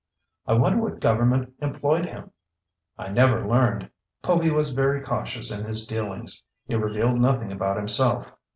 "I wonder what government employed him?" "I never learned. Povy was very cautious in his dealings. He revealed nothing about himself.